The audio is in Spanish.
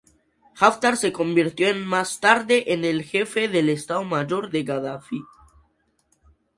Haftar se convirtió más tarde en el Jefe del Estado Mayor de Gadafi.